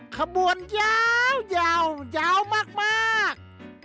ขบวนยาวมาก